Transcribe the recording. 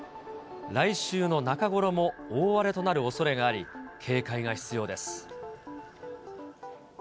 来週の中ごろも大荒れとなるおそれがあり、警戒が必要です。